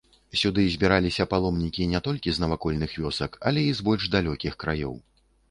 Сюды збіраліся паломнікі не толькі з навакольных вёсак, але і з больш далёкіх краёў.